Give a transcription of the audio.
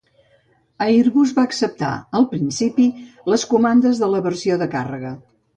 Airbus va acceptar al principi les comandes de la versió de càrrega.